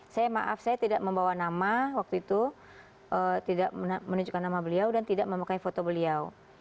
saya maaf saya tidak membawa nama waktu itu tidak menunjukkan nama beliau dan tidak memakai foto beliau